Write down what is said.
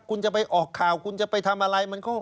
คุณจะไปออกข่าวคุณจะไปทำอะไร